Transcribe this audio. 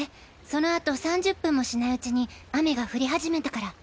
そのあと３０分もしないうちに雨が降りはじめたから。